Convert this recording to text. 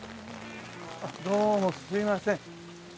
どうもすいません。